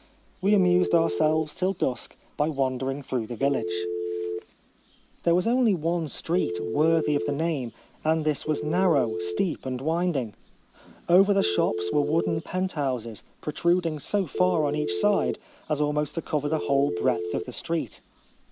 We amused ourselves till dusk by wandering through the village. 5GO across the Peloponnese. [May There was only one street worthy of the name, and this was narrow, steep, and winding. Over the shops were wooden penthouses, protrud ing so far on each side as almost to cover the 'whole breadth of the street.